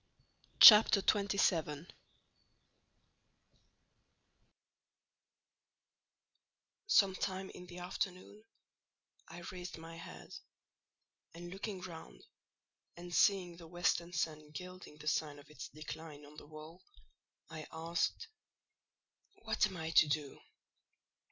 CHAPTER XXVII Some time in the afternoon I raised my head, and looking round and seeing the western sun gilding the sign of its decline on the wall, I asked, "What am I to do?"